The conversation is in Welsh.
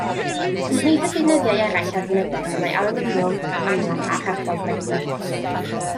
Ymhlith y deunyddiau eraill a ddefnyddir y mae alwminiwm, titaniwm a charbon ffibr.